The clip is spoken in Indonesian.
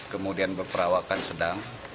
kemudian berperawakan sedang